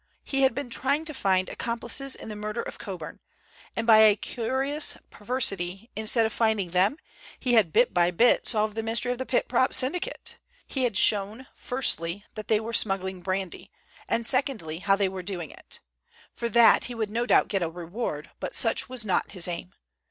He had been trying to find accomplices in the murder of Coburn, and by a curious perversity, instead of finding them he had bit by bit solved the mystery of the Pit Prop Syndicate. He had shown, firstly, that they were smuggling brandy, and, secondly, how they were doing it. For that he would no doubt get a reward, but such was not his aim.